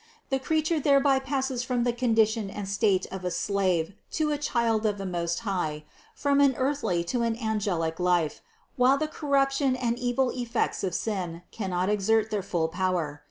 The creature thereby passes from the condition and state of a slave to that of a child of the Most High, from an earthly to an angelic life, while the corruption and evil effects of sin cannot exert their full power.